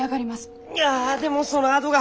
いやでもそのあどが。